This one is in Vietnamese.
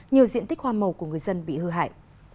nhiều diện tích hoa màu của người dân bị hư hại